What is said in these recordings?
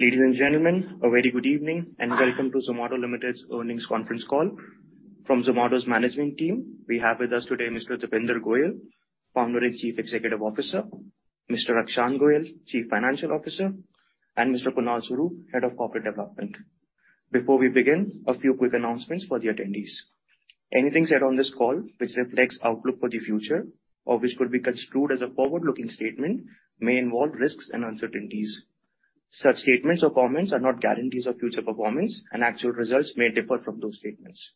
Ladies and gentlemen, a very good evening and welcome to Zomato's earnings conference call. From Zomato's management team, we have with us today Mr. Deepinder Goyal, Founder and Chief Executive Officer, Mr. Akshant Goyal, Chief Financial Officer, and Mr. Kunal Swarup, Head of Corporate Development. Before we begin, a few quick announcements for the attendees. Anything said on this call which reflects outlook for the future or which could be construed as a forward-looking statement, may involve risks and uncertainties. Such statements or comments are not guarantees of future performance, and actual results may differ from those statements.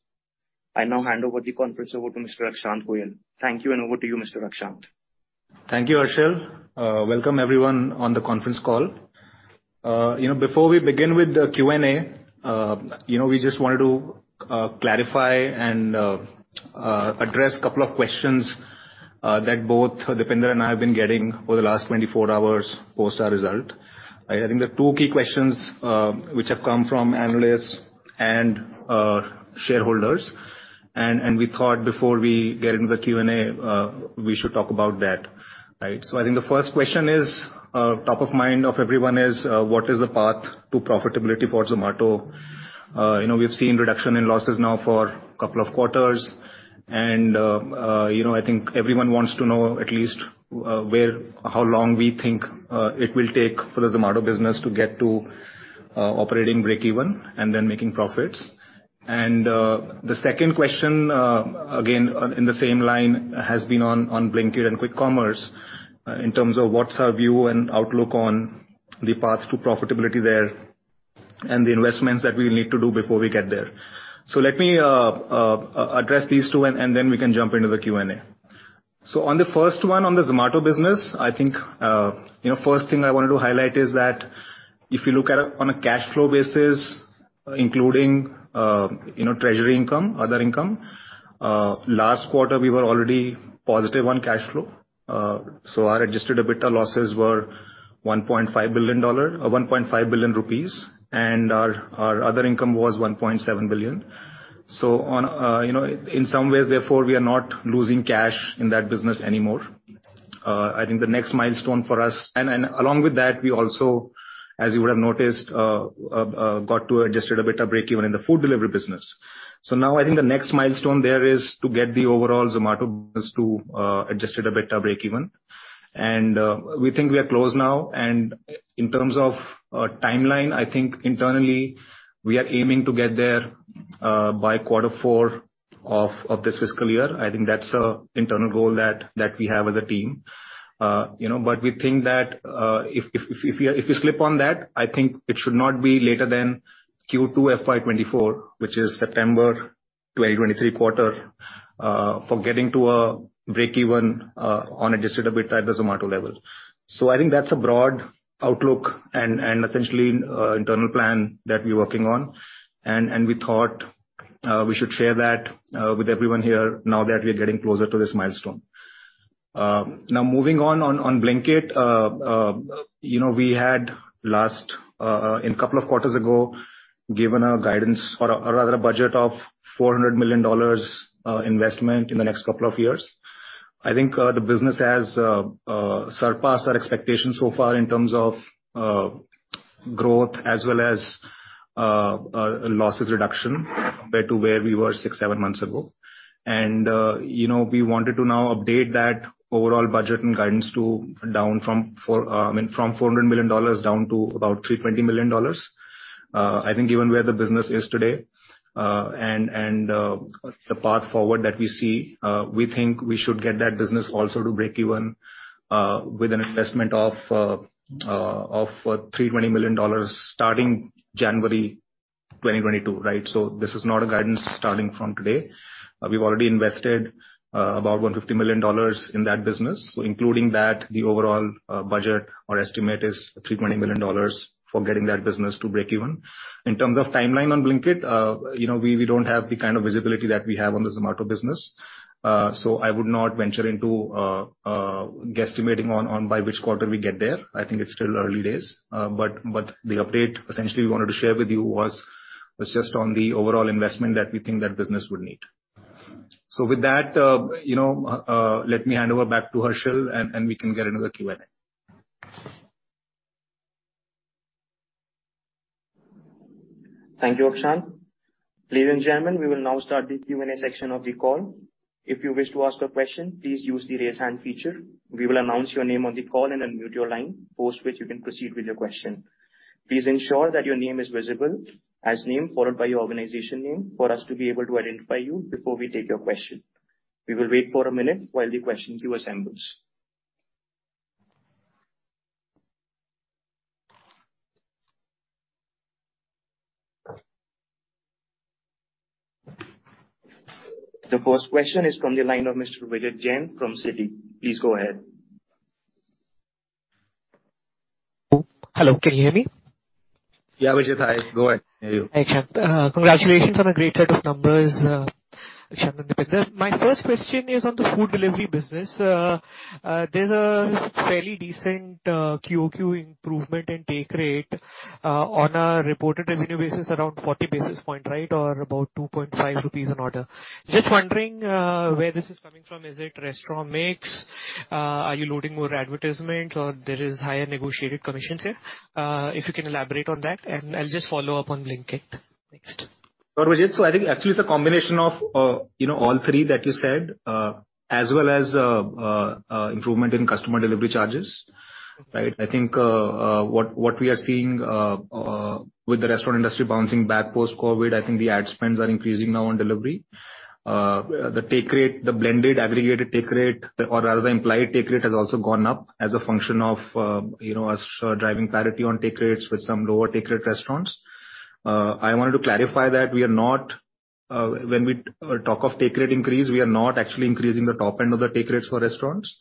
I now hand over the conference to Mr. Akshant Goyal. Thank you, and over to you, Mr. Akshant. Thank you, Herschel. Welcome everyone on the conference call. You know, before we begin with the Q&A, you know, we just wanted to clarify and address a couple of questions that both Deepinder and I have been getting over the last 24 hours post our result. I think the two key questions which have come from analysts and shareholders, and we thought before we get into the Q&A, we should talk about that, right? I think the first question is top of mind of everyone is what is the path to profitability for Zomato? You know, we've seen reduction in losses now for couple of quarters and, you know, I think everyone wants to know at least how long we think it will take for the Zomato business to get to operating breakeven and then making profits. The second question, again, in the same line, has been on Blinkit and quick commerce, in terms of what's our view and outlook on the path to profitability there, and the investments that we need to do before we get there. Let me address these two and then we can jump into the Q&A. On the first one, on the Zomato business, I think, you know, first thing I wanted to highlight is that if you look at it on a cash flow basis, including, you know, treasury income, other income, last quarter we were already positive on cash flow. Our Adjusted EBITDA losses were INR 1.5 billion, and our other income was 1.7 billion. You know, in some ways, therefore, we are not losing cash in that business anymore. I think the next milestone for us. Along with that, we also, as you would have noticed, got to Adjusted EBITDA breakeven in the food delivery business. Now I think the next milestone there is to get the overall Zomato business to Adjusted EBITDA breakeven. We think we are close now. In terms of timeline, I think internally we are aiming to get there by quarter four of this fiscal year. I think that's a internal goal that we have as a team. You know, but we think that if we slip on that, I think it should not be later than Q2 FY24, which is September 2023 quarter for getting to a breakeven on Adjusted EBITDA at the Zomato level. I think that's a broad outlook and essentially internal plan that we're working on, and we thought we should share that with everyone here now that we are getting closer to this milestone. Now moving on to Blinkit. You know, we had last in couple of quarters ago given a guidance or rather a budget of $400 million investment in the next couple of years. I think the business has surpassed our expectations so far in terms of growth as well as losses reduction compared to where we were six, seven months ago. You know, we wanted to now update that overall budget and guidance to down from four, I mean, from $400 million down to about $320 million. I think given where the business is today, and the path forward that we see, we think we should get that business also to breakeven with an investment of $320 million starting January 2022, right? This is not a guidance starting from today. We've already invested about $150 million in that business. Including that, the overall budget or estimate is $320 million for getting that business to breakeven. In terms of timeline on Blinkit, you know, we don't have the kind of visibility that we have on the Zomato business. I would not venture into guesstimating on by which quarter we get there. I think it's still early days. But the update essentially we wanted to share with you was just on the overall investment that we think that business would need. With that, you know, let me hand over back to Herschel and we can get into the Q&A. Thank you, Akshant. Ladies and gentlemen, we will now start the Q&A section of the call. If you wish to ask a question, please use the Raise Hand feature. We will announce your name on the call and unmute your line, post which you can proceed with your question. Please ensure that your name is visible as name followed by your organization name for us to be able to identify you before we take your question. We will wait for a minute while the question queue assembles. The first question is from the line of Mr. Vijit Jain from Citi. Please go ahead. Hello. Can you hear me? Yeah, Vijit. Hi. Go ahead. I can hear you. Hi, Akshant. Congratulations on a great set of numbers, Akshant and Deepinder. My first question is on the food delivery business. There's a fairly decent QoQ improvement in take rate on a reported revenue basis around 40 basis points, right? Or about 2.5 rupees an order. Just wondering where this is coming from. Is it restaurant mix? Are you loading more advertisements or there is higher negotiated commissions here? If you can elaborate on that. I'll just follow up on Blinkit next. I think actually it's a combination of, you know, all three that you said, as well as, improvement in customer delivery charges, right? I think what we are seeing with the restaurant industry bouncing back post-COVID, I think the ad spends are increasing now on delivery. The take rate, the blended aggregated take rate or rather the implied take rate has also gone up as a function of, you know, us driving parity on take rates with some lower take rate restaurants. I wanted to clarify that we are not, when we talk of take rate increase, we are not actually increasing the top end of the take rates for restaurants,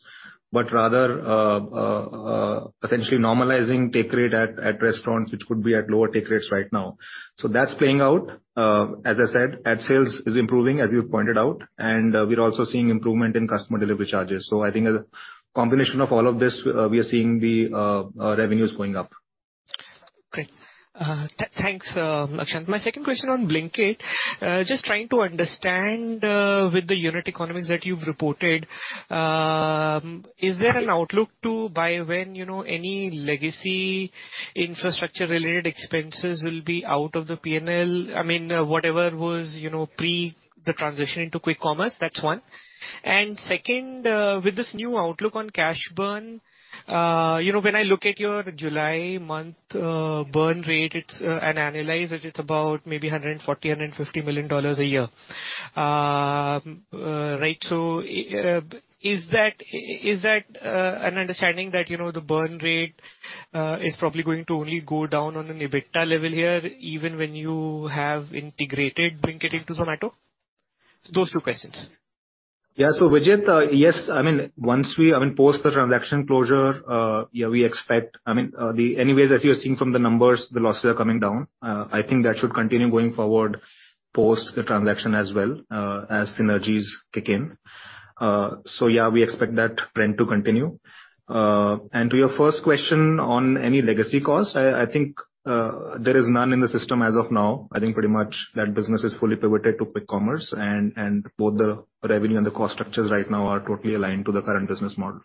but rather, essentially normalizing take rate at restaurants which could be at lower take rates right now. That's playing out. As I said, ad sales is improving, as you pointed out, and we're also seeing improvement in customer delivery charges. I think as a combination of all of this, we are seeing the revenues going up. Great. Thanks, Akshant. My second question on Blinkit. Just trying to understand, with the unit economics that you've reported, is there an outlook to by when, you know, any legacy infrastructure-related expenses will be out of the P&L? I mean, whatever was, you know, pre the transition into quick commerce. That's one. Second, with this new outlook on cash burn, you know, when I look at your July month burn rate and analyze it's about maybe $140 million-$150 million a year. Right? Is that an understanding that, you know, the burn rate is probably going to only go down on an EBITDA level here even when you have integrated Blinkit into Zomato? Those two questions. Yeah. Vijit, yes, I mean, post the transaction closure, yeah, we expect. I mean, anyways, as you're seeing from the numbers, the losses are coming down. I think that should continue going forward post the transaction as well, as synergies kick in. Yeah, we expect that trend to continue. To your first question on any legacy costs, I think there is none in the system as of now. I think pretty much that business is fully pivoted to quick commerce and both the revenue and the cost structures right now are totally aligned to the current business model.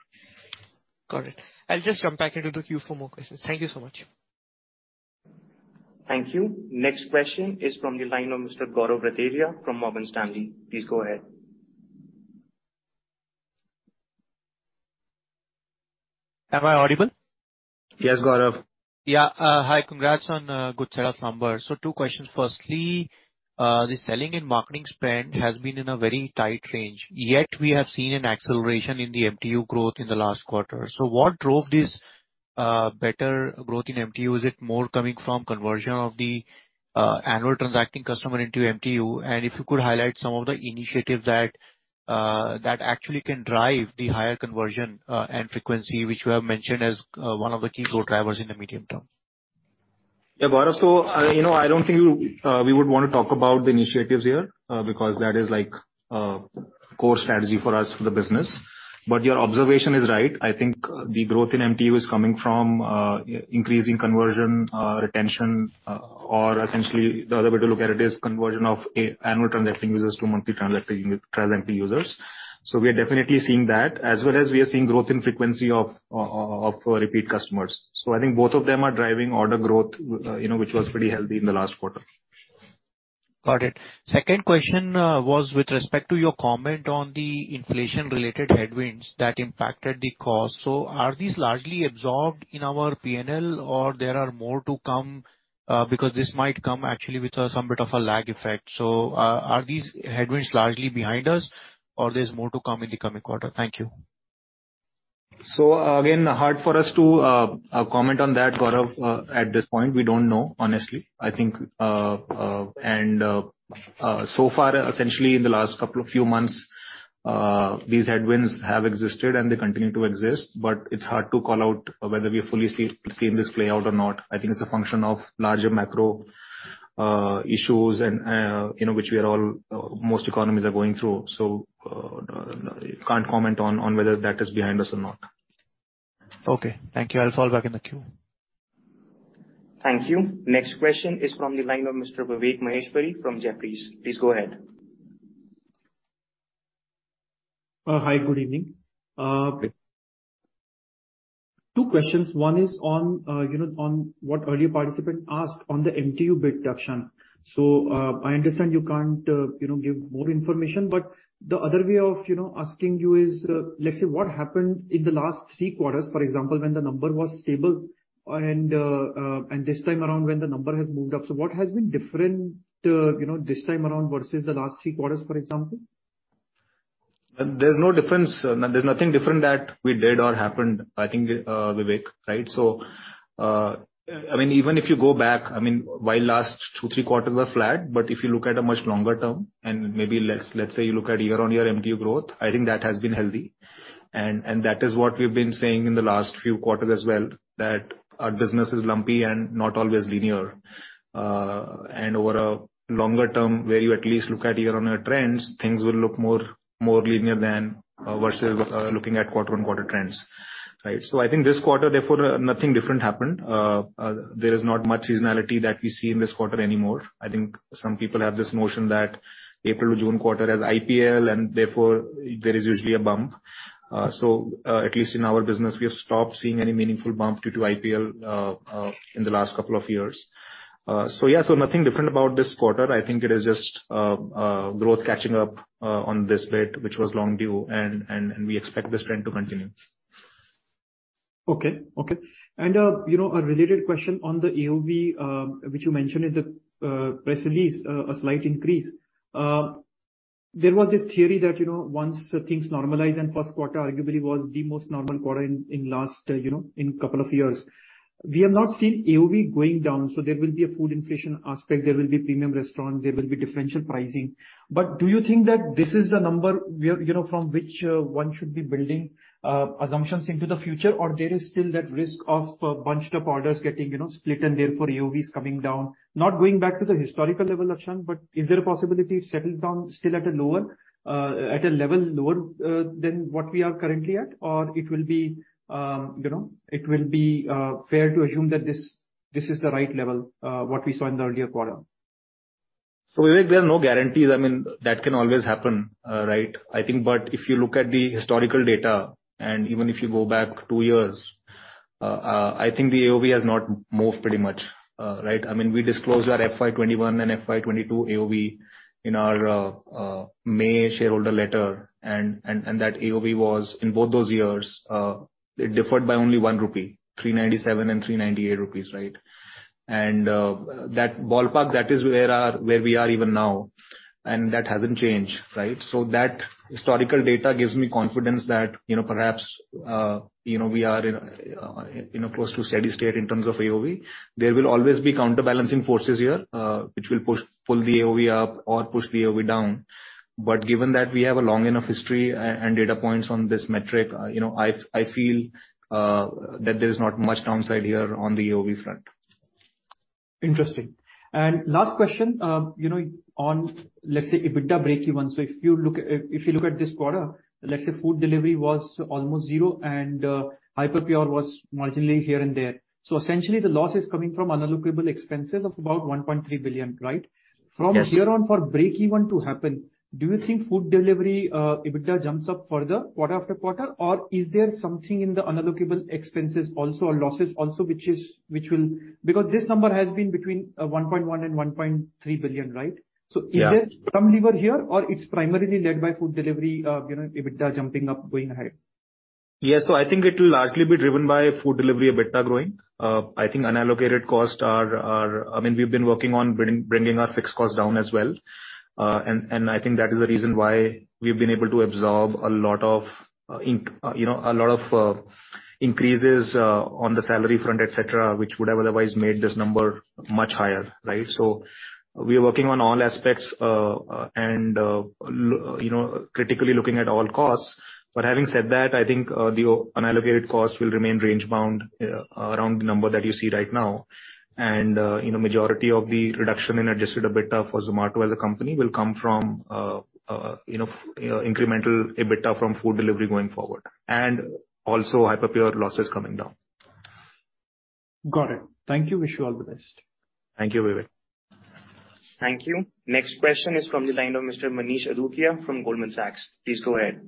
Got it. I'll just jump back into the queue for more questions. Thank you so much. Thank you. Next question is from the line of Mr. Gaurav Rateria from Morgan Stanley. Please go ahead. Am I audible? Yes, Gaurav. Yeah. Hi. Congrats on good set of numbers. Two questions. Firstly, the selling and marketing spend has been in a very tight range, yet we have seen an acceleration in the MTU growth in the last quarter. What drove this better growth in MTU? Is it more coming from conversion of the annual transacting customer into MTU? And if you could highlight some of the initiatives that actually can drive the higher conversion and frequency, which you have mentioned as one of the key growth drivers in the medium term. Yeah. Gaurav, you know, I don't think we would wanna talk about the initiatives here because that is like core strategy for us for the business. Your observation is right. I think the growth in MTU is coming from increasing conversion retention or essentially the other way to look at it is conversion of annual transacting users to monthly transacting users. We are definitely seeing that as well as we are seeing growth in frequency of repeat customers. I think both of them are driving order growth you know which was pretty healthy in the last quarter. Got it. Second question was with respect to your comment on the inflation-related headwinds that impacted the cost. Are these largely absorbed in our P&L or are there more to come, because this might come actually with some bit of a lag effect. Are these headwinds largely behind us or there's more to come in the coming quarter? Thank you. Again, hard for us to comment on that, Gaurav, at this point. We don't know, honestly. I think so far, essentially in the last couple of months, these headwinds have existed and they continue to exist, but it's hard to call out whether we have fully seen this play out or not. I think it's a function of larger macro issues and, you know, which most economies are going through. Can't comment on whether that is behind us or not. Okay. Thank you. I'll fall back in the queue. Thank you. Next question is from the line of Mr. Vivek Maheshwari from Jefferies. Please go ahead. Hi, good evening. Two questions. One is on, you know, on what earlier participant asked on the MTU deduction. I understand you can't, you know, give more information, but the other way of, you know, asking you is, let's say, what happened in the last three quarters, for example, when the number was stable and this time around when the number has moved up. What has been different, you know, this time around versus the last three quarters, for example? There's no difference. There's nothing different that we did or happened, I think, Vivek, right? I mean, even if you go back, I mean, while last 2-3 quarters were flat, but if you look at a much longer term and maybe let's say you look at year-on-year MTU growth, I think that has been healthy. That is what we've been saying in the last few quarters as well, that our business is lumpy and not always linear. Over a longer term, where you at least look at year-on-year trends, things will look more linear than versus looking at quarter-on-quarter trends, right? I think this quarter therefore nothing different happened. There is not much seasonality that we see in this quarter anymore. I think some people have this notion that April to June quarter has IPL and therefore there is usually a bump. At least in our business, we have stopped seeing any meaningful bump due to IPL in the last couple of years. Yeah, nothing different about this quarter. I think it is just growth catching up on this bit, which was long due, and we expect this trend to continue. Okay. You know, a related question on the AOV, which you mentioned in the press release, a slight increase. There was this theory that, you know, once things normalize and first quarter arguably was the most normal quarter in last, you know, in couple of years, we have not seen AOV going down, so there will be a food inflation aspect, there will be premium restaurants, there will be differential pricing. But do you think that this is the number where, you know, from which one should be building assumptions into the future or there is still that risk of bunched up orders getting, you know, split and therefore AOVs coming down? Not going back to the historical level, Akshant, but is there a possibility it settles down still at a lower level than what we are currently at? Or it will be, you know, fair to assume that this is the right level what we saw in the earlier quarter? Vivek, there are no guarantees. I mean, that can always happen, right? I think, but if you look at the historical data, and even if you go back two years, I think the AOV has not moved pretty much, right? I mean, we disclosed our FY21 and FY22 AOV in our May shareholder letter and that AOV was in both those years, it differed by only 1 rupee, 397 and 398 rupees, right? That ballpark, that is where we are even now, and that hasn't changed, right? That historical data gives me confidence that, you know, perhaps, you know, we are in, you know, close to steady state in terms of AOV. There will always be counterbalancing forces here, which will push, pull the AOV up or push the AOV down. Given that we have a long enough history and data points on this metric, you know, I feel that there is not much downside here on the AOV front. Interesting. Last question, you know, on, let's say, EBITDA break-even. If you look at this quarter, let's say food delivery was almost zero and Hyperpure was marginally here and there. Essentially the loss is coming from unallocated expenses of about 1.3 billion, right? Yes. From here on, for break-even to happen, do you think food delivery EBITDA jumps up further quarter after quarter? Or is there something in the unallocable expenses also or losses also which will. Because this number has been between 1.1 billion and 1.3 billion, right? Yeah. Is there some lever here or it's primarily led by food delivery, you know, EBITDA jumping up going ahead? Yeah. I think it will largely be driven by food delivery EBITDA growing. I think unallocated costs are, I mean, we've been working on bringing our fixed costs down as well. I think that is the reason why we've been able to absorb a lot of, you know, a lot of increases on the salary front, et cetera, which would have otherwise made this number much higher, right? We are working on all aspects, and, you know, critically looking at all costs. Having said that, I think the unallocated costs will remain range bound around the number that you see right now. Majority of the reduction in Adjusted EBITDA for Zomato as a company will come from, you know, incremental EBITDA from food delivery going forward, and also Hyperpure losses coming down. Got it. Thank you. Wish you all the best. Thank you, Vivek. Thank you. Next question is from the line of Mr. Manish Adukia from Goldman Sachs. Please go ahead.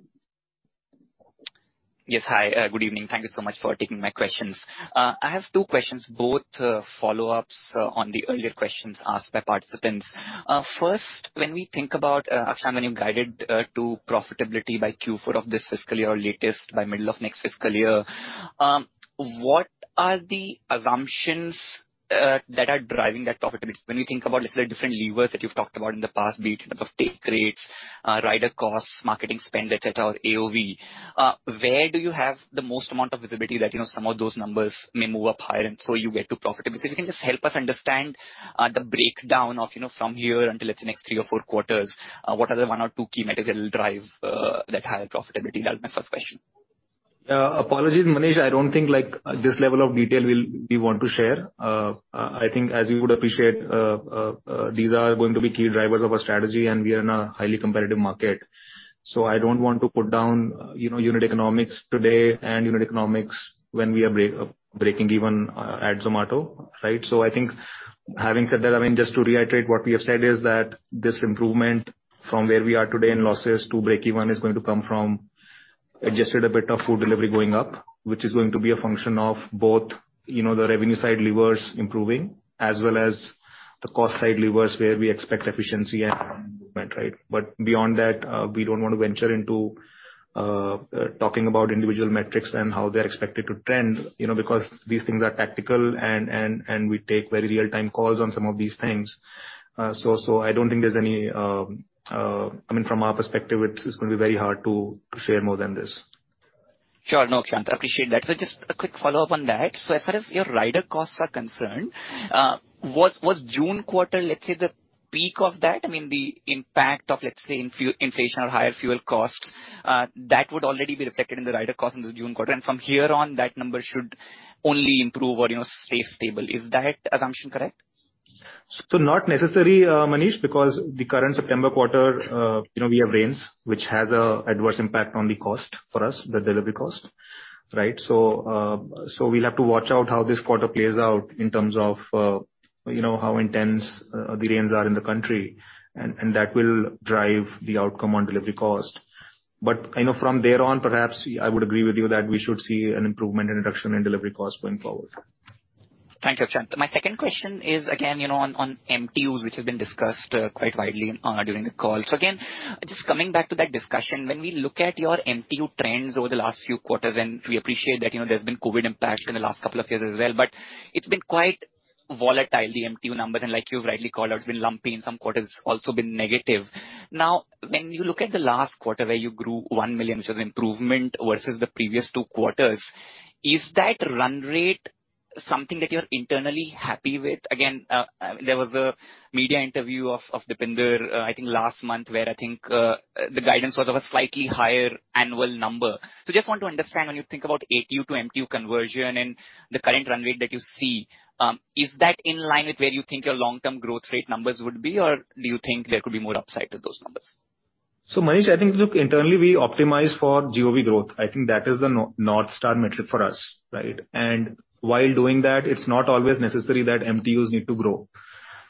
Yes. Hi, good evening. Thank you so much for taking my questions. I have two questions, both follow-ups on the earlier questions asked by participants. First, when we think about Akshant, when you guided to profitability by Q4 of this fiscal year or latest by middle of next fiscal year, what are the assumptions that are driving that profitability? When you think about, let's say, different levers that you've talked about in the past, be it in terms of take rates, rider costs, marketing spend, et cetera, or AOV, where do you have the most amount of visibility that, you know, some of those numbers may move up higher and so you get to profitability? If you can just help us understand the breakdown of, you know, from here until, let's say, next three or four quarters, what are the one or two key metrics that will drive that higher profitability? That was my first question. Apologies, Manish. I don't think like this level of detail we want to share. I think as you would appreciate, these are going to be key drivers of our strategy and we are in a highly competitive market. I don't want to put down, you know, unit economics today and unit economics when we are breaking even at Zomato, right? I think having said that, I mean, just to reiterate what we have said is that this improvement from where we are today in losses to break even is going to come from Adjusted EBITDA food delivery going up, which is going to be a function of both, you know, the revenue side levers improving as well as the cost side levers where we expect efficiency and improvement, right? Beyond that, we don't wanna venture into talking about individual metrics and how they're expected to trend, you know, because these things are tactical and we take very real-time calls on some of these things. So I don't think there's any. I mean, from our perspective, it's gonna be very hard to share more than this. Sure. No, Akshant, I appreciate that. Just a quick follow-up on that. As far as your rider costs are concerned, was June quarter, let's say, the peak of that? I mean, the impact of, let's say, inflation or higher fuel costs, that would already be reflected in the rider cost in the June quarter, and from here on, that number should only improve or, you know, stay stable. Is that assumption correct? Not necessarily, Manish, because the current September quarter, you know, we have rains, which has a adverse impact on the cost for us, the delivery cost, right? We'll have to watch out how this quarter plays out in terms of, you know, how intense the rains are in the country and that will drive the outcome on delivery cost. I know from there on, perhaps I would agree with you that we should see an improvement in reduction in delivery cost going forward. Thank you, Akshant. My second question is again, you know, on MTUs, which have been discussed quite widely on during the call. Again, just coming back to that discussion, when we look at your MTU trends over the last few quarters, and we appreciate that, you know, there's been COVID impact in the last couple of years as well, but it's been quite volatile, the MTU numbers, and like you've rightly called out, it's been lumpy and some quarters it's also been negative. Now, when you look at the last quarter where you grew 1 million, which was improvement versus the previous two quarters, is that run rate something that you're internally happy with? Again, there was a media interview of Deepinder, I think last month where I think the guidance was of a slightly higher annual number. Just want to understand when you think about ATU to MTU conversion and the current run rate that you see, is that in line with where you think your long-term growth rate numbers would be? Or do you think there could be more upside to those numbers? Manish, I think, look, internally, we optimize for GOV growth. I think that is the north star metric for us, right? While doing that, it's not always necessary that MTUs need to grow,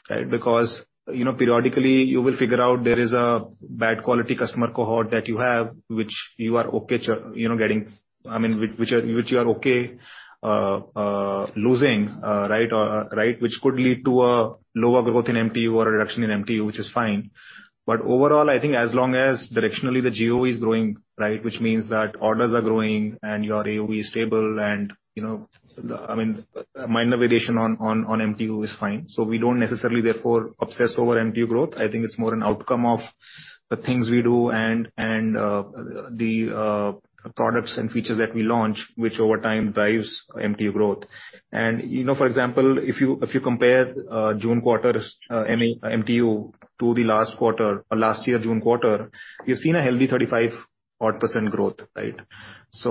right? Because, you know, periodically you will figure out there is a bad quality customer cohort that you have, which you are okay losing, right, which could lead to a lower growth in MTU or a reduction in MTU, which is fine. Overall, I think as long as directionally the GOV is growing, right, which means that orders are growing and your AOV is stable and, you know, I mean, a minor variation on MTU is fine. We don't necessarily therefore obsess over MTU growth. I think it's more an outcome of the things we do and the products and features that we launch, which over time drives MTU growth. You know, for example, if you compare June quarter's MTU to the last quarter or last year's June quarter, you've seen a healthy 35 odd percent growth, right?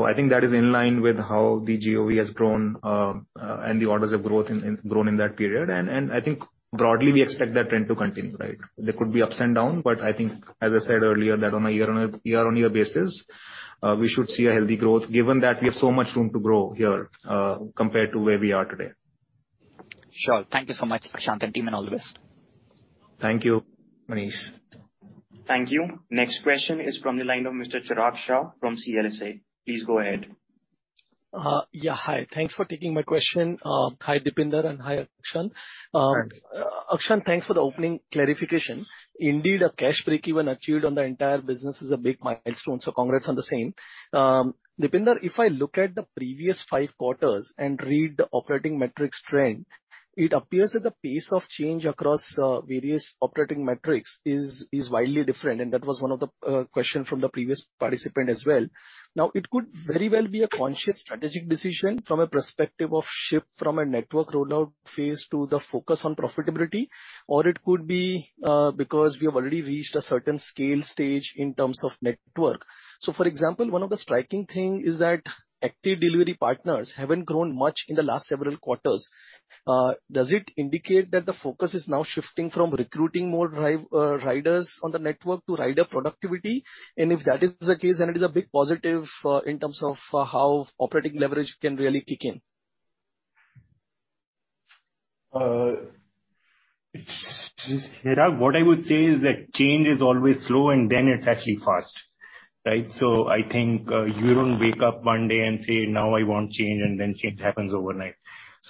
I think that is in line with how the GOV has grown and the orders have grown in that period. I think broadly, we expect that trend to continue, right? There could be ups and downs, but I think as I said earlier, that on a year-on-year basis, we should see a healthy growth given that we have so much room to grow here, compared to where we are today. Sure. Thank you so much, Akshant, and team, and all the best. Thank you, Manish. Thank you. Next question is from the line of Mr. Chirag Shah from CLSA. Please go ahead. Yeah, hi. Thanks for taking my question. Hi, Deepinder, and hi, Akshant. Hi. Akshant, thanks for the opening clarification. Indeed, a cash break-even achieved on the entire business is a big milestone, so congrats on the same. Deepinder, if I look at the previous five quarters and read the operating metrics trend, it appears that the pace of change across various operating metrics is wildly different, and that was one of the question from the previous participant as well. Now, it could very well be a conscious strategic decision from a perspective of shift from a network rollout phase to the focus on profitability, or it could be because we have already reached a certain scale stage in terms of network. For example, one of the striking thing is that active delivery partners haven't grown much in the last several quarters. Does it indicate that the focus is now shifting from recruiting more riders on the network to rider productivity? If that is the case, then it is a big positive in terms of how operating leverage can really kick in. Chirag, what I would say is that change is always slow and then it's actually fast, right? I think you don't wake up one day and say, "Now I want change," and then change happens overnight.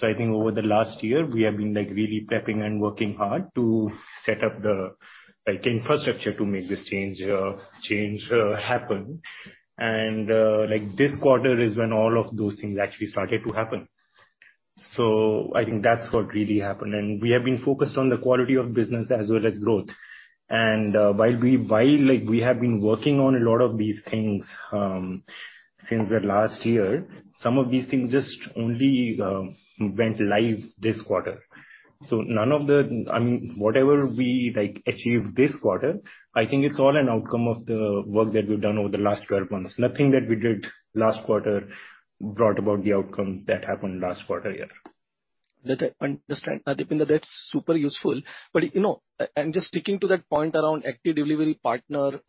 I think over the last year, we have been like really prepping and working hard to set up the like infrastructure to make this change happen. Like this quarter is when all of those things actually started to happen. I think that's what really happened. We have been focused on the quality of business as well as growth. While we have been working on a lot of these things since the last year, some of these things just only went live this quarter. None of the I mean, whatever we, like, achieved this quarter, I think it's all an outcome of the work that we've done over the last 12 months. Nothing that we did last quarter brought about the outcomes that happened last quarter here. Understood. Deepinder, that's super useful. You know, and just sticking to that point around active delivery partner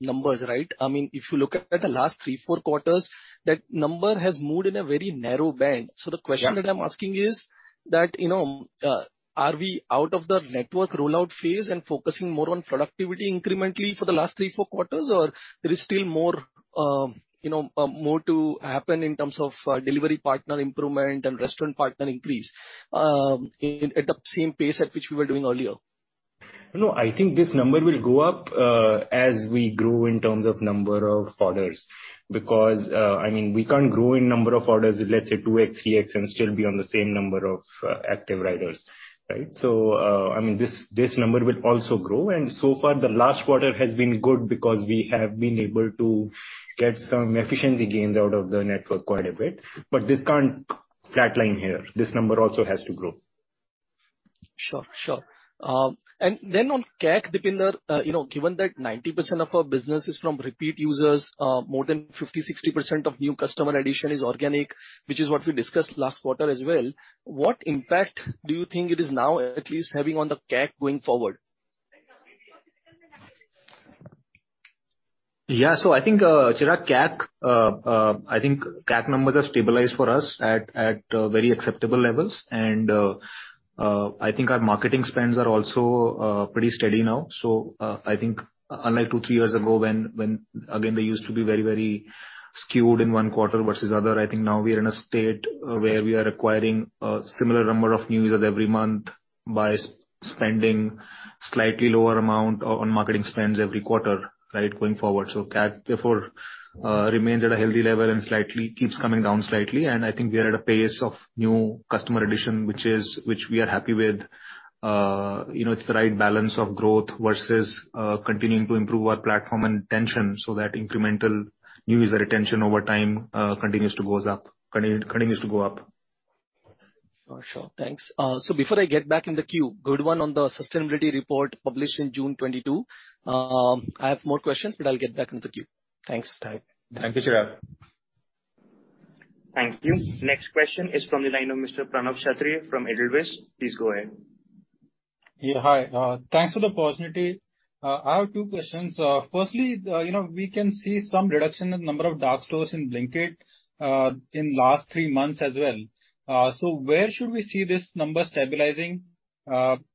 numbers, right? I mean, if you look at the last three, four quarters, that number has moved in a very narrow band. Yeah. The question that I'm asking is that, you know, are we out of the network rollout phase and focusing more on productivity incrementally for the last three, four quarters? Or there is still more, you know, more to happen in terms of, delivery partner improvement and restaurant partner increase, at the same pace at which we were doing earlier? No, I think this number will go up, as we grow in terms of number of orders, because, I mean, we can't grow in number of orders, let's say 2x, 3x, and still be on the same number of, active riders, right? I mean, this number will also grow. So far the last quarter has been good because we have been able to get some efficiency gains out of the network quite a bit. This can't flatline here. This number also has to grow. Sure, sure. On CAC, Deepinder, you know, given that 90% of our business is from repeat users, more than 50%-60% of new customer addition is organic, which is what we discussed last quarter as well, what impact do you think it is now at least having on the CAC going forward? Yeah. I think, Chirag, CAC, I think CAC numbers are stabilized for us at very acceptable levels. I think our marketing spends are also pretty steady now. I think unlike two, three years ago when again, they used to be very, very skewed in one quarter versus other. I think now we are in a state where we are acquiring a similar number of new users every month by spending slightly lower amount on marketing spends every quarter, right, going forward. CAC, therefore, remains at a healthy level and slightly keeps coming down slightly. I think we are at a pace of new customer addition, which we are happy with. You know, it's the right balance of growth versus continuing to improve our platform and retention, so that incremental new user retention over time continues to go up. Sure. Thanks. Before I get back in the queue, good one on the sustainability report published in June 2022. I have more questions, but I'll get back in the queue. Thanks. Thank you, Chirag. Thank you. Next question is from the line of Mr. Pranav Kshatriy from Edelweiss. Please go ahead. Yeah, hi. Thanks for the opportunity. I have two questions. Firstly, you know, we can see some reduction in number of dark stores in Blinkit, in last three months as well. Where should we see this number stabilizing?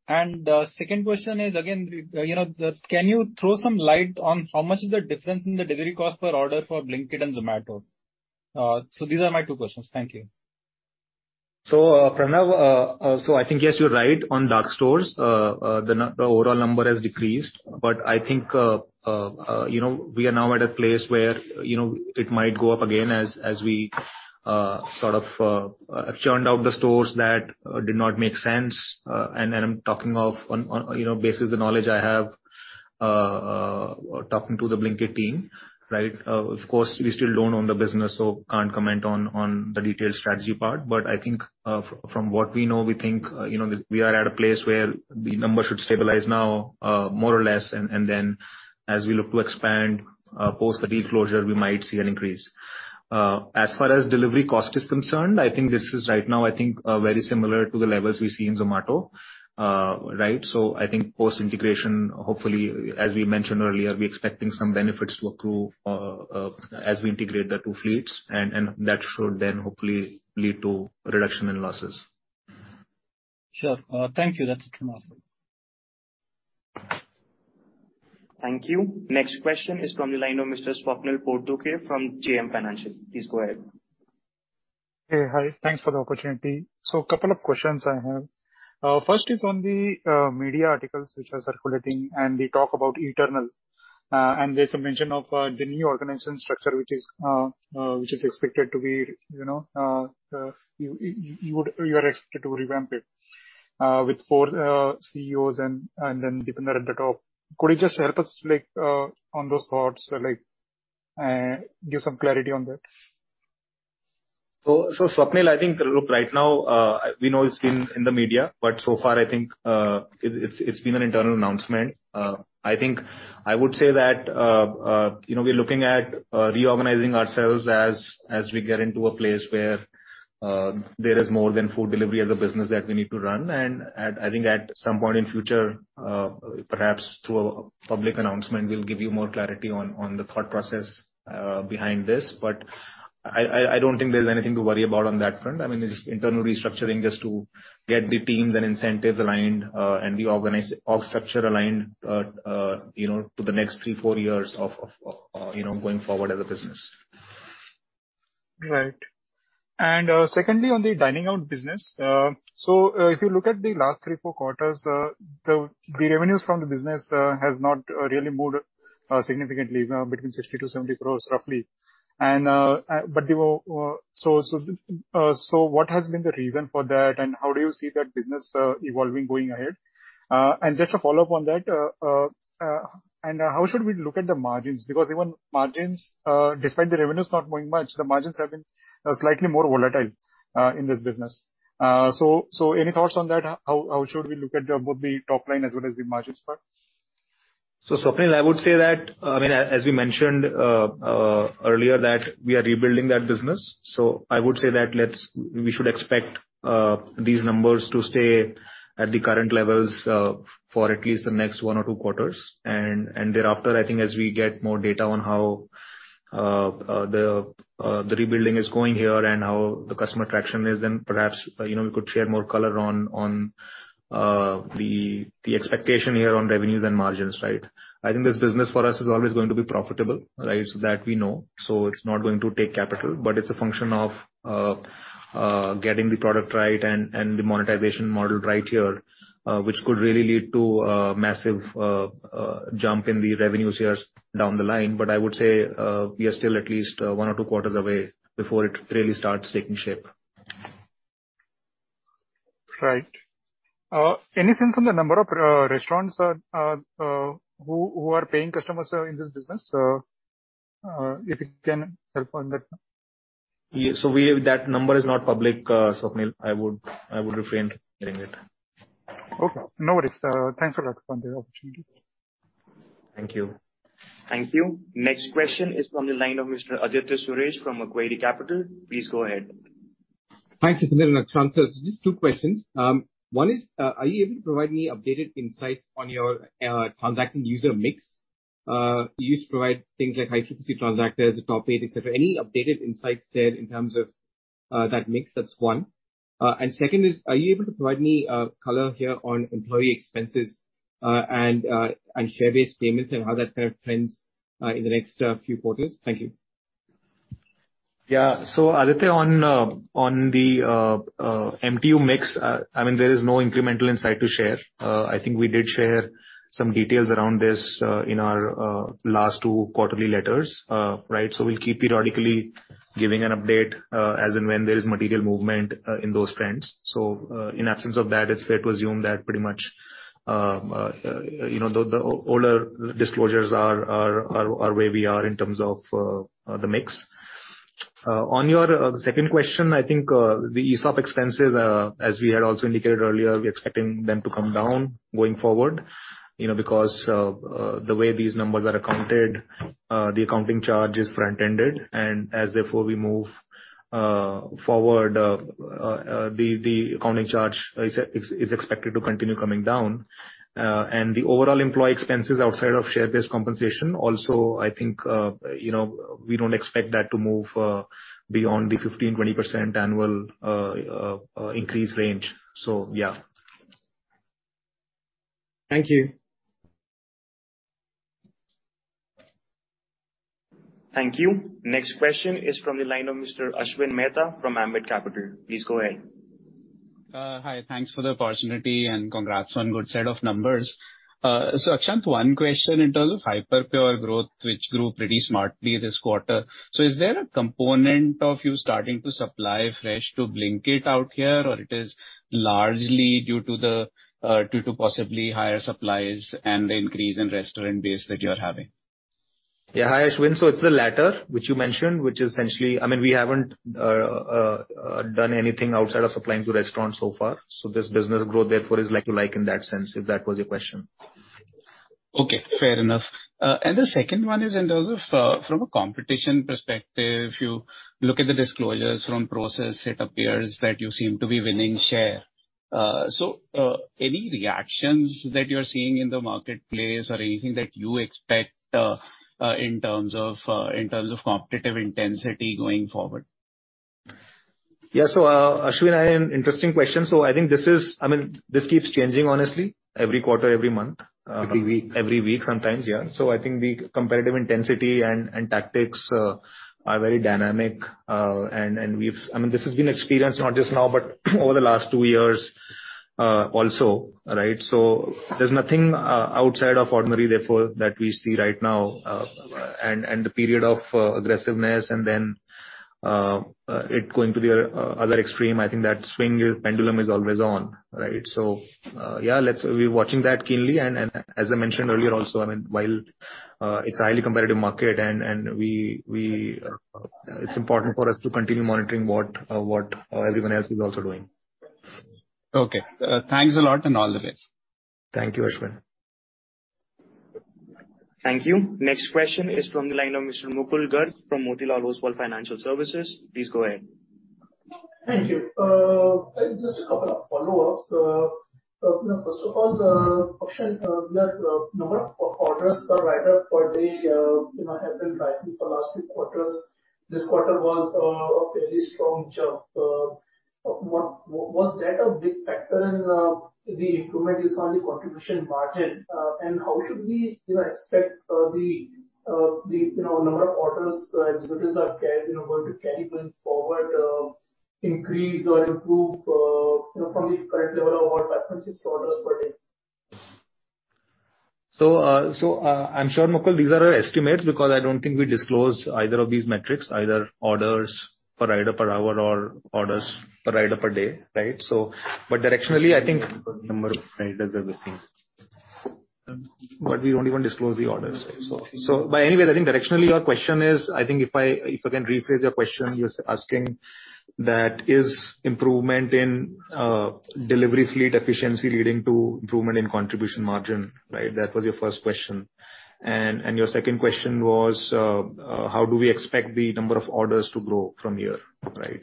The second question is again, you know, can you throw some light on how much is the difference in the delivery cost per order for Blinkit and Zomato? These are my two questions. Thank you. Pranav, I think yes, you're right on dark stores. The overall number has decreased, but I think you know, we are now at a place where you know, it might go up again as we sort of churned out the stores that did not make sense. I'm talking on the basis of the knowledge I have, talking to the Blinkit team, right? Of course, we still don't own the business, so can't comment on the detailed strategy part. I think from what we know, we think you know, we are at a place where the numbers should stabilize now, more or less. As we look to expand post the deal closure, we might see an increase. As far as delivery cost is concerned, I think this is right now, I think, very similar to the levels we see in Zomato, right? I think post-integration, hopefully, as we mentioned earlier, we're expecting some benefits to accrue, as we integrate the two fleets and that should then hopefully lead to reduction in losses. Sure. Thank you. That's it from our side. Thank you. Next question is from the line of Mr. Swapnil Potdukhe from JM Financial. Please go ahead. Hey, hi. Thanks for the opportunity. A couple of questions I have. First is on the media articles which are circulating and the talk about Zomato, and there's a mention of the new organizational structure, which is expected to be, you are expected to revamp it with four CEOs and then Deepinder at the top. Could you just help us like on those thoughts like give some clarity on that? Swapnil, I think, look, right now, we know it's in the media, but so far I think, it's been an internal announcement. I think I would say that, you know, we're looking at reorganizing ourselves as we get into a place where there is more than food delivery as a business that we need to run. At some point in future, perhaps through a public announcement, we'll give you more clarity on the thought process behind this. I don't think there's anything to worry about on that front. I mean, it's internal restructuring just to get the teams and incentives aligned, and the org structure aligned, you know, to the next three, four years of, you know, going forward as a business. Right. Secondly, on the dining out business, if you look at the last three, four quarters, the revenues from the business has not really moved significantly between 60-70 crore roughly. What has been the reason for that, and how do you see that business evolving going ahead? Just to follow up on that, how should we look at the margins? Because even margins, despite the revenues not moving much, the margins have been slightly more volatile in this business. Any thoughts on that? How should we look at both the top line as well as the margins part? Swapnil, I would say that, I mean, as we mentioned earlier, that we are rebuilding that business. I would say that we should expect these numbers to stay at the current levels for at least the next one or two quarters. Thereafter, I think as we get more data on how the rebuilding is going here and how the customer traction is, then perhaps, you know, we could share more color on the expectation here on revenues and margins, right? I think this business for us is always going to be profitable, right? That we know. It's not going to take capital, but it's a function of getting the product right and the monetization model right here, which could really lead to a massive jump in the revenues here down the line. I would say we are still at least one or two quarters away before it really starts taking shape. Right. Any sense on the number of restaurants who are paying customers in this business? If you can help on that. Yeah. We have that number is not public, Swapnil. I would refrain from sharing it. Okay. No worries. Thanks a lot for the opportunity. Thank you. Thank you. Next question is from the line of Mr. Aditya Suresh from Macquarie Capital. Please go ahead. Thanks for the answers. Just two questions. One is, are you able to provide me updated insights on your transacting user mix? You used to provide things like high frequency transactors, the top eight, et cetera. Any updated insights there in terms of that mix? That's one. Second is, are you able to provide me color here on employee expenses and share-based payments and how that kind of trends in the next few quarters? Thank you. Yeah. Aditya, on the MTU mix, I mean, there is no incremental insight to share. I think we did share some details around this in our last two quarterly letters, right? We'll keep periodically giving an update as and when there is material movement in those trends. In absence of that, it's fair to assume that pretty much, you know, the older disclosures are where we are in terms of the mix. On your second question, I think the ESOP expenses, as we had also indicated earlier, we're expecting them to come down going forward, you know, because the way these numbers are accounted, the accounting charge is front-ended and as therefore we move forward, the accounting charge is expected to continue coming down. The overall employee expenses outside of share-based compensation also I think, you know, we don't expect that to move beyond the 15%-20% annual increase range. Yeah. Thank you. Thank you. Next question is from the line of Mr. Ashwin Mehta from Ambit Capital. Please go ahead. Hi. Thanks for the opportunity and congrats on good set of numbers. Akshant, one question in terms of Hyperpure growth, which grew pretty smartly this quarter. Is there a component of you starting to supply fresh to Blinkit out here or it is largely due to possibly higher supplies and the increase in restaurant base that you're having? Yeah. Hi, Ashwin. It's the latter which you mentioned, which essentially I mean, we haven't done anything outside of supplying to restaurants so far. This business growth therefore is like to like in that sense, if that was your question. Okay, fair enough. The second one is in terms of from a competition perspective, if you look at the disclosures from Prosus, it appears that you seem to be winning share. Any reactions that you're seeing in the marketplace or anything that you expect in terms of competitive intensity going forward? Yeah. Ashwin, interesting question. I think this is, I mean, this keeps changing honestly every quarter, every month. Every week. Every week sometimes, yeah. I think the competitive intensity and tactics are very dynamic. I mean, this has been experienced not just now but over the last two years, also, right? There's nothing out of the ordinary therefore that we see right now, and the period of aggressiveness and then it's going to the other extreme. I think that swinging pendulum is always on, right? We're watching that keenly and as I mentioned earlier also, I mean, while it's a highly competitive market and it's important for us to continue monitoring what everyone else is also doing. Okay. Thanks a lot, and all the best. Thank you, Ashwin. Thank you. Next question is from the line of Mr. Mukul Garg from Motilal Oswal Financial Services. Please go ahead. Thank you. Just a couple of follow-ups. First of all, Akshant, the number of orders per rider per day, you know, have been rising for last three quarters. This quarter was a fairly strong jump. Was that a big factor in the improvement you saw in the contribution margin? How should we, you know, expect the number of orders as riders are carrying, you know, going to carry going forward, increase or improve, you know, from the current level of what, 560 orders per day? I'm sure, Mukul, these are our estimates because I don't think we disclose either of these metrics, either orders per rider per hour or orders per rider per day, right? But directionally, I think- Number of riders are the same. We don't even disclose the orders. Anyway, I think directionally your question is. I think if I can rephrase your question, you're asking that is improvement in delivery fleet efficiency leading to improvement in contribution margin, right? That was your first question. Your second question was how do we expect the number of orders to grow from here, right?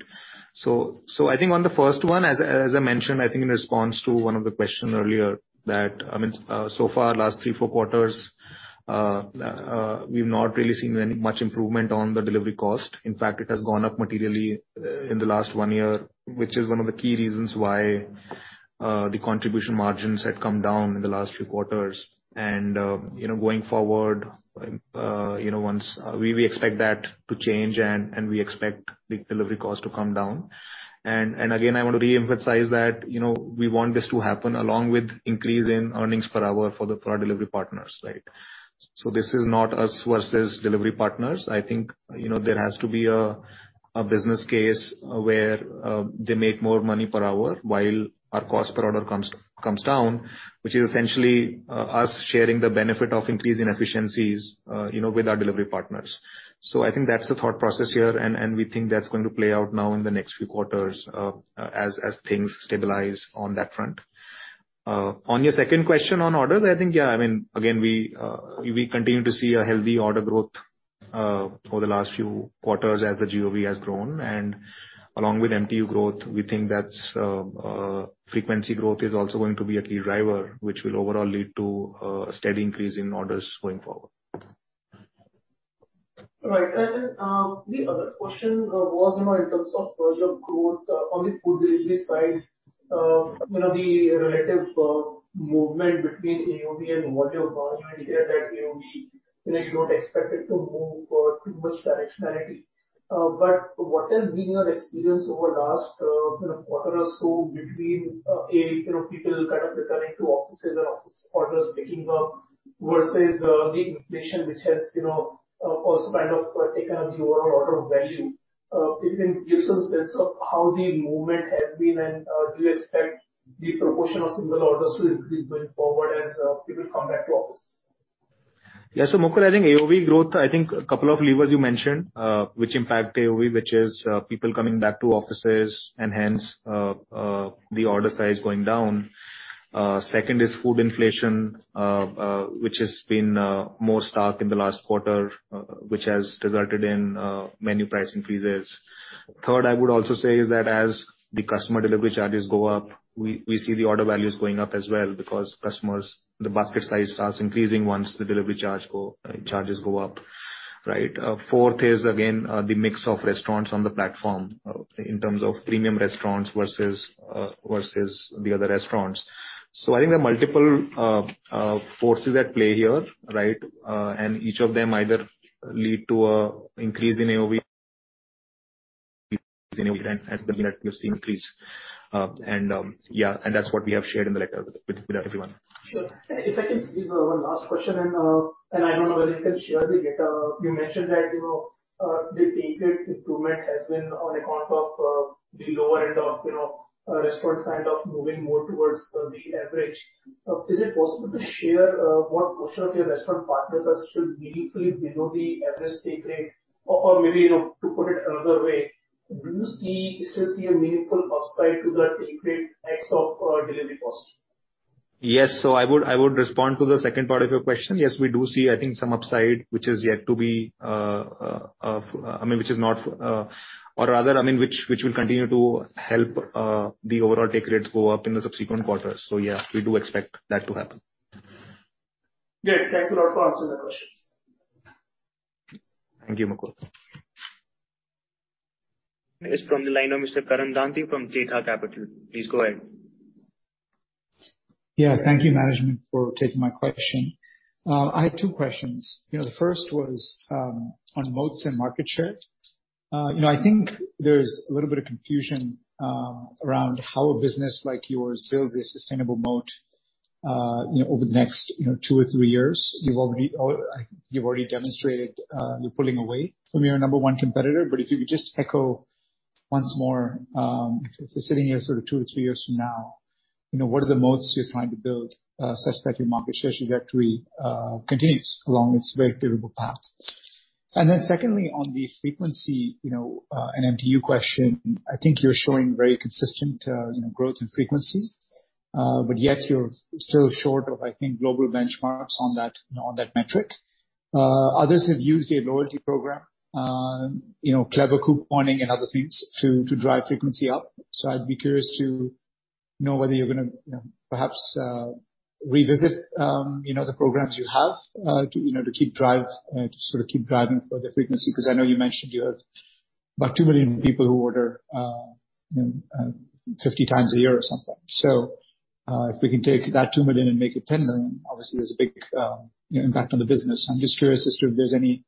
I think on the first one, as I mentioned, I think in response to one of the questions earlier that, I mean, so far last three, four quarters, we've not really seen any much improvement on the delivery cost. In fact, it has gone up materially in the last one year, which is one of the key reasons why the contribution margins had come down in the last few quarters. You know, going forward, you know, once we expect that to change and we expect the delivery cost to come down. Again, I want to re-emphasize that, you know, we want this to happen along with increase in earnings per hour for our delivery partners, right? This is not us versus delivery partners. I think, you know, there has to be a business case where they make more money per hour while our cost per order comes down, which is essentially us sharing the benefit of increasing efficiencies, you know, with our delivery partners. I think that's the thought process here, and we think that's going to play out now in the next few quarters, as things stabilize on that front. On your second question on orders, I think, yeah, I mean, again, we continue to see a healthy order growth over the last few quarters as the GOV has grown and along with MTU growth, we think that's frequency growth is also going to be a key driver which will overall lead to a steady increase in orders going forward. Right. The other question was, you know, in terms of further growth on the food delivery side, you know, the relative movement between AOV and volume. Mm-hmm. You indicated that AOV, you know, you don't expect it to move too much directionality. What has been your experience over the last, you know, quarter or so between a, you know, people kind of returning to offices and office orders picking up versus the inflation which has, you know, also kind of taken up the overall order value. If you can give some sense of how the movement has been and do you expect the proportion of single orders to increase going forward as people come back to office? Yeah. Mukul, I think AOV growth. I think a couple of levers you mentioned which impact AOV, which is people coming back to offices and hence the order size going down. Second is food inflation which has been more stark in the last quarter which has resulted in menu price increases. Third, I would also say is that as the customer delivery charges go up, we see the order values going up as well because customers the basket size starts increasing once the delivery charges go up, right? Fourth is again the mix of restaurants on the platform in terms of premium restaurants versus the other restaurants. So I think there are multiple forces at play here, right? Each of them either leads to an increase in AOV. At the moment we've seen an increase. That's what we have shared in the letter with everyone. Sure. If I can squeeze one last question in, and I don't know whether you can share the data. You mentioned that, you know, the take rate improvement has been on account of, the lower end of, you know, restaurants kind of moving more towards, the average. Is it possible to share, what portion of your restaurant partners are still meaningfully below the average take rate? Or maybe, you know, to put it another way, do you still see a meaningful upside to the take rate ex of, delivery cost? Yes. I would respond to the second part of your question. Yes, we do see, I think, some upside which will continue to help the overall take rates go up in the subsequent quarters. Yeah, we do expect that to happen. Great. Thanks a lot for answering the questions. Thank you, Mukul. Next from the line of Mr. Karan Danthi from Jetha Capital. Please go ahead. Yeah. Thank you, management, for taking my question. I have two questions. You know, the first was on moats and market share. You know, I think there's a little bit of confusion around how a business like yours builds a sustainable moat over the next two or three years. You've already demonstrated you're pulling away from your number one competitor. If you could just echo once more, if we're sitting here sort of two or three years from now, you know, what are the moats you're trying to build such that your market share trajectory continues along its very favorable path? Then secondly, on the frequency, you know, and MTU question, I think you're showing very consistent growth in frequency. You're still short of, I think, global benchmarks on that, you know, on that metric. Others have used a loyalty program, you know, clever couponing and other things to drive frequency up. I'd be curious to know whether you're gonna, you know, perhaps, revisit, you know, the programs you have, you know, to sort of keep driving further frequency. 'Cause I know you mentioned you have about 2 million people who order, you know, 50 times a year or something. If we can take that 2 million and make it 10 million, obviously there's a big, you know, impact on the business. I'm just curious as to if there's any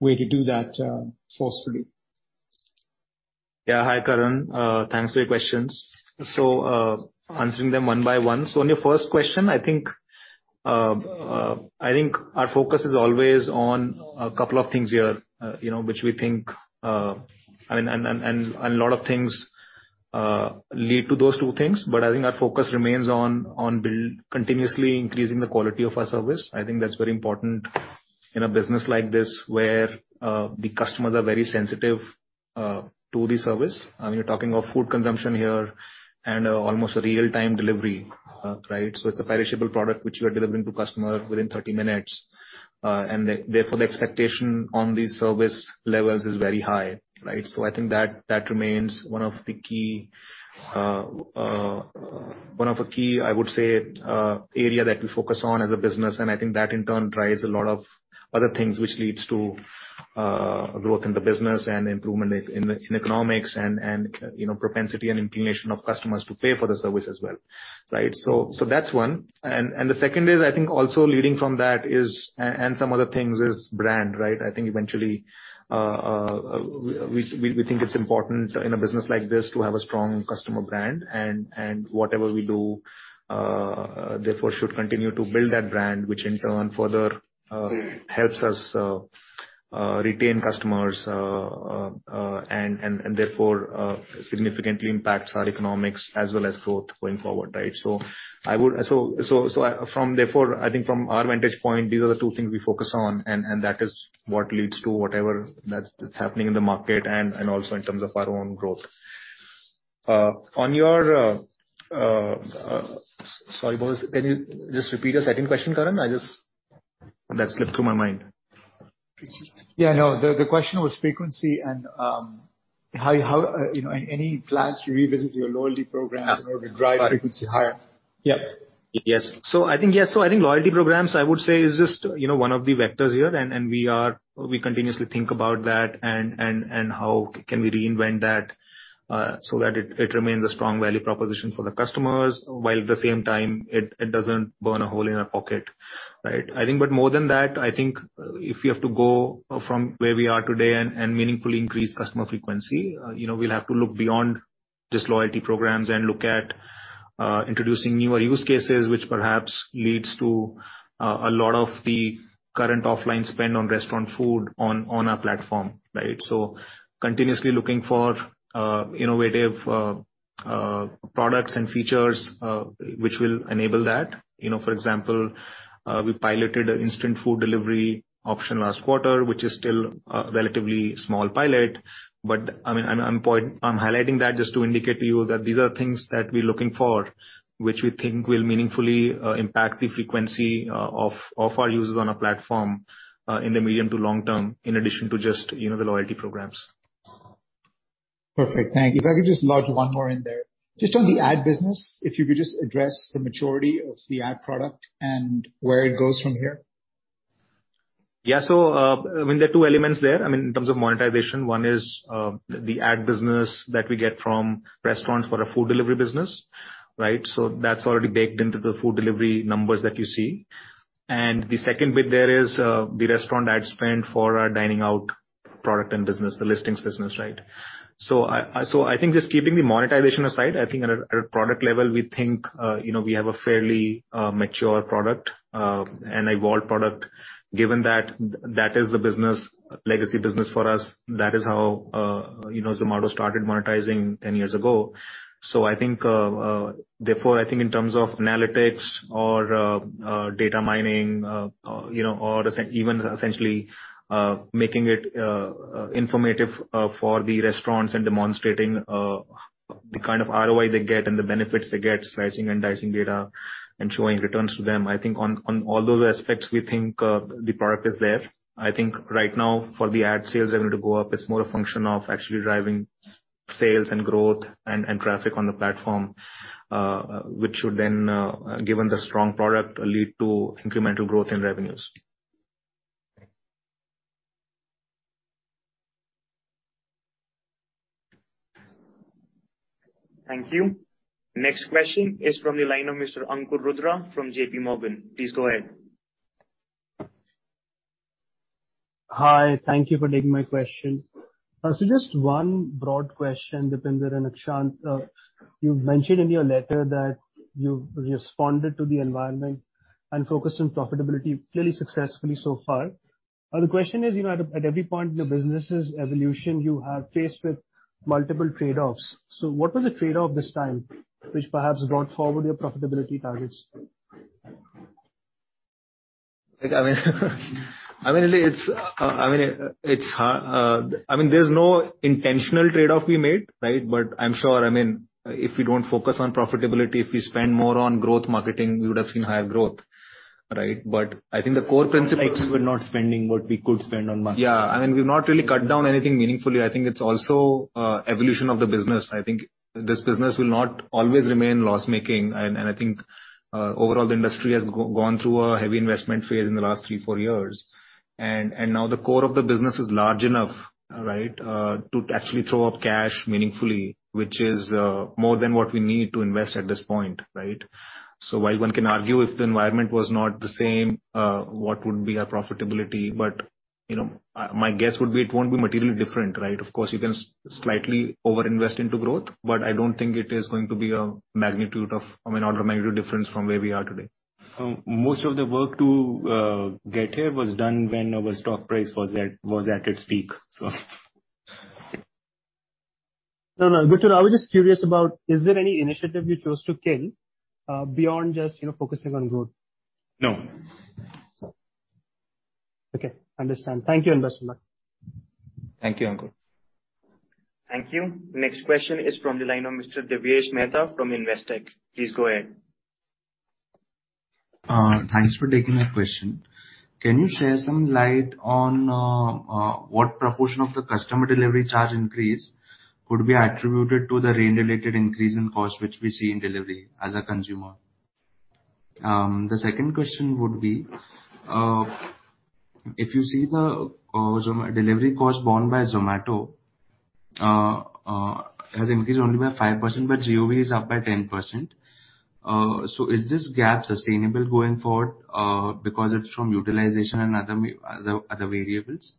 way to do that, forcefully. Yeah. Hi, Karan. Thanks for your questions. Answering them one by one. On your first question, I think our focus is always on a couple of things here, you know, which we think, I mean, and a lot of things lead to those two things. I think our focus remains on building continuously increasing the quality of our service. I think that's very important in a business like this, where the customers are very sensitive to the service. I mean, you're talking of food consumption here and almost real-time delivery, right? It's a perishable product which you are delivering to customer within 30 minutes. Therefore the expectation on the service levels is very high, right? I think that remains one of the key area that we focus on as a business, and I think that in turn drives a lot of other things which leads to growth in the business and improvement in economics and, you know, propensity and inclination of customers to pay for the service as well, right? That's one. The second is, I think also leading from that is, and some other things is brand, right? I think eventually, we think it's important in a business like this to have a strong customer brand. Whatever we do therefore should continue to build that brand, which in turn further helps us retain customers and therefore significantly impacts our economics as well as growth going forward, right? From therefore, I think from our vantage point, these are the two things we focus on, and that is what leads to whatever that's happening in the market and also in terms of our own growth. Sorry, boss, can you just repeat your second question, Karan? That slipped through my mind. Yeah, no. The question was frequency and how, you know, any plans to revisit your loyalty programs in order to drive frequency higher. Yes. I think loyalty programs, I would say is just, you know, one of the vectors here and we continuously think about that and how can we reinvent that, so that it remains a strong value proposition for the customers, while at the same time it doesn't burn a hole in our pocket, right? I think more than that, I think if you have to go from where we are today and meaningfully increase customer frequency, you know, we'll have to look beyond just loyalty programs and look at introducing newer use cases which perhaps leads to a lot of the current offline spend on restaurant food on our platform, right? Continuously looking for innovative products and features which will enable that. You know, for example, we piloted an instant food delivery option last quarter, which is still a relatively small pilot. I mean, I'm highlighting that just to indicate to you that these are things that we're looking for, which we think will meaningfully impact the frequency of our users on our platform in the medium to long term, in addition to just, you know, the loyalty programs. Perfect. Thank you. If I could just lodge one more in there. Just on the ad business, if you could just address the maturity of the ad product and where it goes from here. Yeah. I mean, there are two elements there, I mean in terms of monetization. One is the ad business that we get from restaurants for our food delivery business, right? That's already baked into the food delivery numbers that you see. The second bit there is the restaurant ad spend for our dining out product and business, the listings business, right? I think just keeping the monetization aside, I think at a product level, we think you know, we have a fairly mature product and evolved product. Given that that is the business, legacy business for us, that is how you know, Zomato started monetizing 10 years ago. I think, therefore, I think in terms of analytics or data mining, you know, or even essentially making it informative for the restaurants and demonstrating the kind of ROI they get and the benefits they get, slicing and dicing data and showing returns to them, I think on all those aspects, we think the product is there. I think right now for the ad sales revenue to go up, it's more a function of actually driving sales and growth and traffic on the platform, which should then, given the strong product, lead to incremental growth in revenues. Thank you. Next question is from the line of Mr. Ankur Rudra from JPMorgan. Please go ahead. Hi. Thank you for taking my question. Just one broad question, Deepinder and Akshant. You've mentioned in your letter that you've responded to the environment and focused on profitability fairly successfully so far. The question is, you know, at every point in your business' evolution, you have faced with multiple trade-offs. What was the trade-off this time which perhaps brought forward your profitability targets? Like, I mean, there's no intentional trade-off we made, right? I'm sure, I mean, if we don't focus on profitability, if we spend more on growth marketing, we would have seen higher growth, right? I think the core principles. It's not like we're not spending what we could spend on marketing. Yeah. I mean, we've not really cut down anything meaningfully. I think it's also evolution of the business. I think this business will not always remain loss-making. I think overall, the industry has gone through a heavy investment phase in the last three, four years. Now the core of the business is large enough, right, to actually throw up cash meaningfully, which is more than what we need to invest at this point, right? While one can argue if the environment was not the same, what would be our profitability? You know, my guess would be it won't be materially different, right? Of course, you can slightly over-invest into growth, but I don't think it is going to be an order of magnitude difference from where we are today. Most of the work to get here was done when our stock price was at its peak, so. No, no. Got you. I was just curious about is there any initiative you chose to kill, beyond just, you know, focusing on growth? No. Okay. Understand. Thank you. Best of luck. Thank you, Ankur. Thank you. Next question is from the line of Mr. Devesh Mehta from Investec. Please go ahead. Thanks for taking my question. Can you shed some light on what proportion of the customer delivery charge increase could be attributed to the rain-related increase in cost, which we see in delivery as a consumer? The second question would be, if you see the delivery cost borne by Zomato has increased only by 5%, but GOV is up by 10%. Is this gap sustainable going forward because it's from utilization and other variables?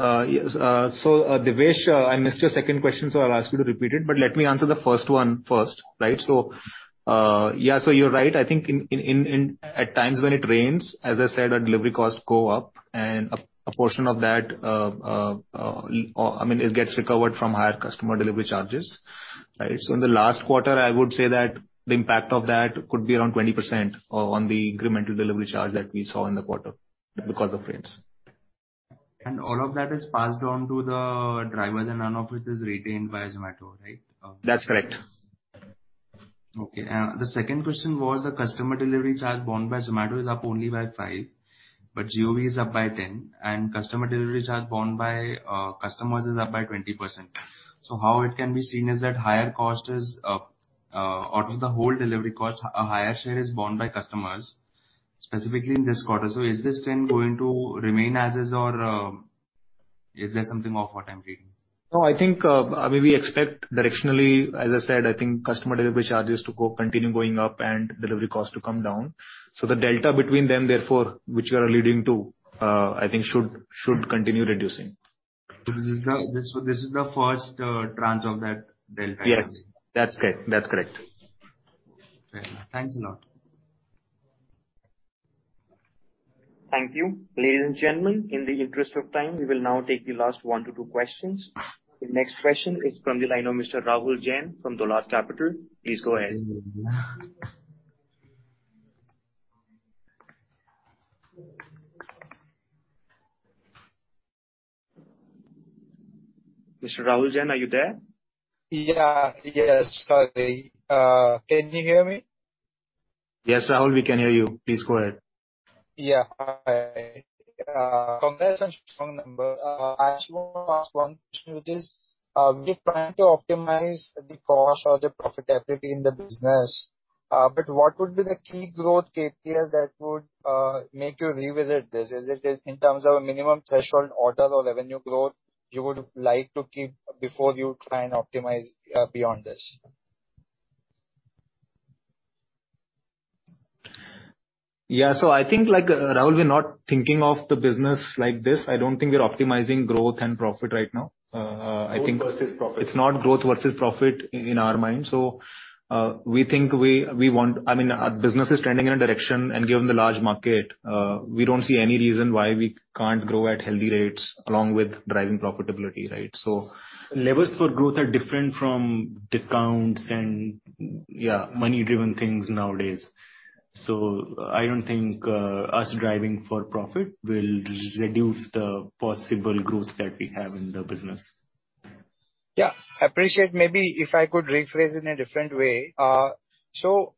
Yes. Devesh, I missed your second question, so I'll ask you to repeat it, but let me answer the first one first, right? Yeah, you're right. I think at times when it rains, as I said, our delivery costs go up and a portion of that, I mean, it gets recovered from higher customer delivery charges, right? In the last quarter, I would say that the impact of that could be around 20% on the incremental delivery charge that we saw in the quarter because of rains. All of that is passed on to the drivers and none of it is retained by Zomato, right? That's correct. Okay. The second question was the customer delivery charge borne by Zomato is up only by 5%, but GOV is up by 10%, and customer delivery charge borne by customers is up by 20%. How it can be seen is that higher cost is out of the whole delivery cost, a higher share is borne by customers, specifically in this quarter. Is this trend going to remain as is or is there something off what I'm reading? No, I think, I mean, we expect directionally, as I said, I think customer delivery charges to go continue going up and delivery costs to come down. So the delta between them, therefore, which you are alluding to, I think should continue reducing. This is the first tranche of that delta. Yes. That's correct. Fair enough. Thanks a lot. Thank you. Ladies and gentlemen, in the interest of time, we will now take the last one to two questions. The next question is from the line of Mr. Rahul Jain from Dolat Capital. Please go ahead. Mr. Rahul Jain, are you there? Yeah. Yes, sorry. Can you hear me? Yes, Rahul, we can hear you. Please go ahead. Yeah. Hi. Congratulations on strong number. I just wanna ask one question, which is, we're trying to optimize the cost or the profitability in the business, but what would be the key growth KPIs that would make you revisit this? Is it in terms of a minimum threshold order or revenue growth you would like to keep before you try and optimize beyond this? Yeah. I think, like, Rahul, we're not thinking of the business like this. I don't think we're optimizing growth and profit right now. Growth versus profit. It's not growth versus profit in our minds. I mean, our business is trending in a direction, and given the large market, we don't see any reason why we can't grow at healthy rates along with driving profitability, right? Levers for growth are different from discounts and, yeah, money-driven things nowadays. I don't think us driving for profit will reduce the possible growth that we have in the business. Yeah. I appreciate maybe if I could rephrase in a different way. I'm sure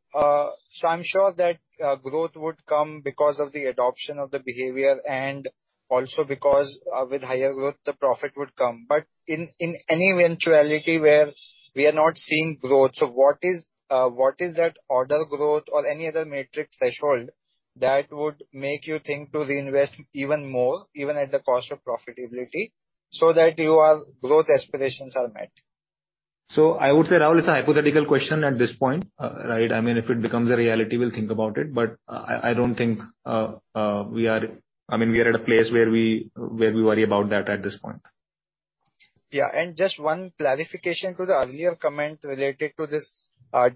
that growth would come because of the adoption of the behavior and also because with higher growth, the profit would come. In any eventuality where we are not seeing growth, what is that order growth or any other metric threshold that would make you think to reinvest even more, even at the cost of profitability, so that your growth aspirations are met? I would say, Rahul, it's a hypothetical question at this point, right? I mean, if it becomes a reality, we'll think about it. But I don't think, I mean, we are at a place where we worry about that at this point. Yeah. Just one clarification to the earlier comment related to this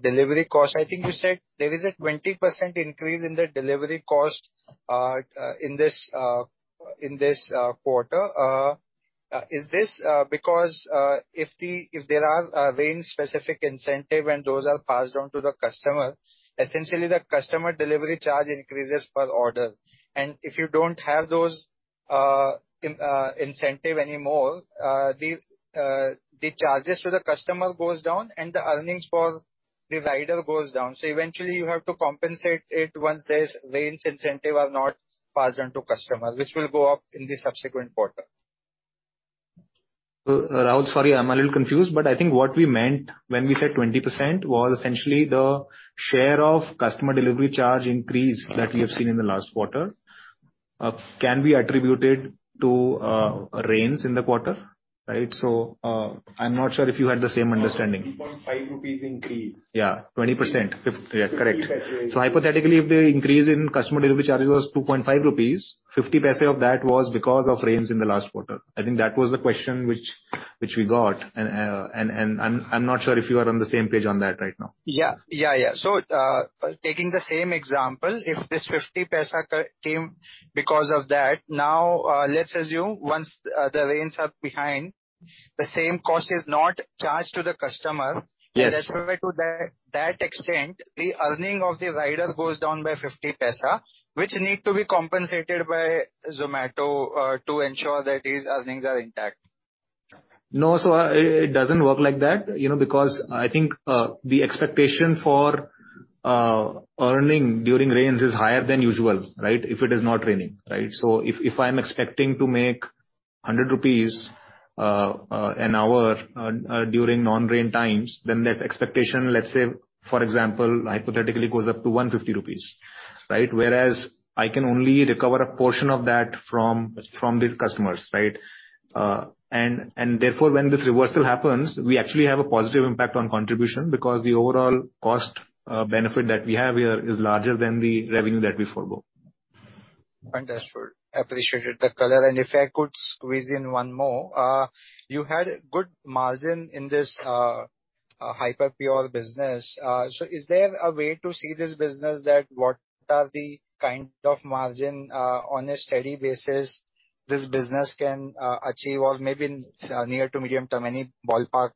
delivery cost. I think you said there is a 20% increase in the delivery cost in this quarter. Is this because if there are rain-specific incentive and those are passed on to the customer, essentially the customer delivery charge increases per order. If you don't have those incentive anymore, the charges to the customer goes down and the earnings for the rider goes down. Eventually you have to compensate it once this rain incentive are not passed on to customers, which will go up in the subsequent quarter. Rahul, sorry, I'm a little confused, but I think what we meant when we said 20% was essentially the share of customer delivery charge increase that we have seen in the last quarter can be attributed to rains in the quarter. Right? I'm not sure if you had the same understanding. 2.5 rupees increase. Yeah, 20%. Yeah, correct. Hypothetically, if the increase in customer delivery charges was 2.5 rupees, 0.5 of that was because of rains in the last quarter. I think that was the question which we got. I'm not sure if you are on the same page on that right now. Yeah. Taking the same example, if this 0.50 came because of that, now, let's assume once the rains are behind, the same cost is not charged to the customer. Yes. Therefore to that extent, the earnings of the rider goes down by 0.50, which need to be compensated by Zomato to ensure that his earnings are intact. No. It doesn't work like that, you know, because I think the expectation for earning during rains is higher than usual, right? If it is not raining, right? If I'm expecting to make 100 rupees an hour during non-rain times, then that expectation, let's say, for example, hypothetically goes up to 150 rupees, right? Whereas, I can only recover a portion of that from the customers, right? And therefore, when this reversal happens, we actually have a positive impact on contribution because the overall cost benefit that we have here is larger than the revenue that we forego. Understood. Appreciated the color. If I could squeeze in one more. You had good margin in this Hyperpure business. So is there a way to see this business that what are the kind of margin on a steady basis this business can achieve or maybe in near to medium term, any ballpark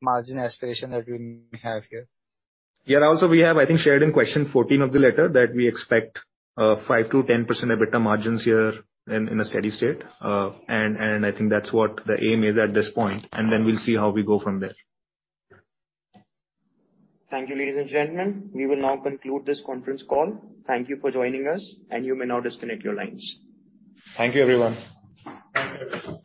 margin aspiration that you have here? Yeah. Also we have, I think, shared in question 14 of the letter that we expect 5%-10% EBITDA margins here in a steady state. I think that's what the aim is at this point, and then we'll see how we go from there. Thank you, ladies and gentlemen. We will now conclude this conference call. Thank you for joining us, and you may now disconnect your lines. Thank you, everyone. Thank you.